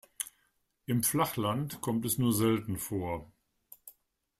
Im Flachland kommt es nur selten vor.